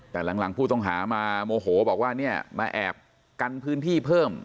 แต่หลังผู้ต้องหามาโมโหบอกว่าเนี่ยมาแอบกันพื้นที่เพิ่ม